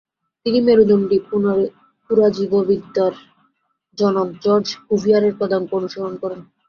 তিনি মেরুদন্ডী পুরাজীববিদ্যার জনক জর্জ কুভিয়ারের পদাঙ্ক অনুসরণ করেন।